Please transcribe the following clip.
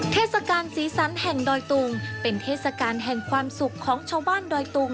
เทศกาลสีสันแห่งดอยตุงเป็นเทศกาลแห่งความสุขของชาวบ้านดอยตุง